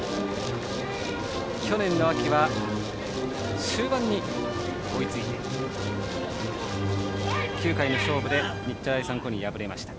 去年秋は終盤に追いついて９回の勝負で日大三高に敗れました。